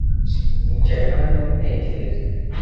Nicaye hano ntekereza .